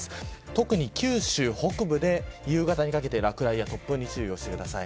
特に九州北部で夕方にかけて落雷や突風に注意してください。